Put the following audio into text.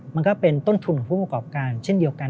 มันก็เป็นต้นทุนของผู้ประกอบการเช่นเดียวกัน